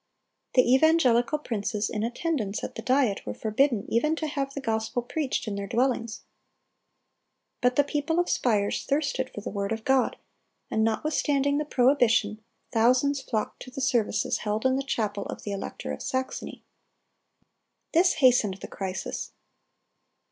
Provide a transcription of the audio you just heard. (284) The evangelical princes in attendance at the Diet were forbidden even to have the gospel preached in their dwellings. But the people of Spires thirsted for the word of God, and notwithstanding the prohibition, thousands flocked to the services held in the chapel of the elector of Saxony. This hastened the crisis.